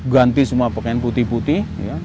ganti semua pakaian putih putih